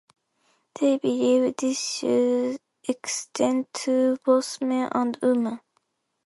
They believe this should extend to both men and women.